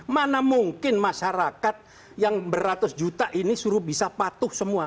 mana mungkin masyarakat yang beratus juta ini suruh bisa patuh semua